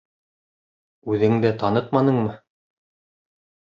Үҙеңде танытманыңмы?